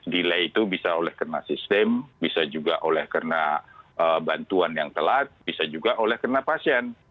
delay itu bisa oleh karena sistem bisa juga oleh karena bantuan yang telat bisa juga oleh karena pasien